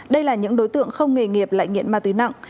đây là những đối tượng không nghề nghiệp lại nghiện ma túy nặng